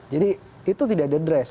jadi itu tidak ada address